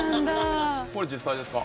これ実際ですか？